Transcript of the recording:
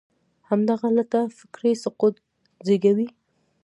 همدغه لټه فکري سقوط زېږوي.